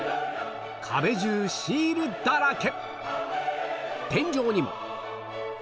壁じゅうシールだらけ！